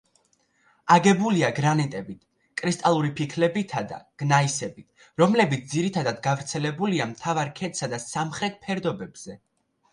აგებულია გრანიტებით, კრისტალური ფიქლებითა და გნაისებით, რომლებიც ძირითადად გავრცელებულია მთავარ ქედსა და სამხრეთ ფერდობებზე.